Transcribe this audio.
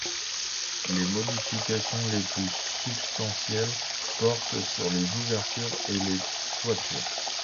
Les modifications les plus substantielles portent sur les ouvertures et les toitures.